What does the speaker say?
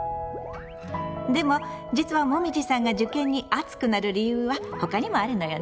でも実はもみじさんが受験に熱くなる理由は他にもあるのよね。